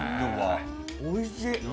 おいしい。